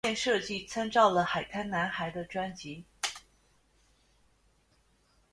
封面设计参照了海滩男孩的专辑。